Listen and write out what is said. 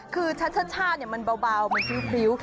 คือเชาะมันเบาพริ้ว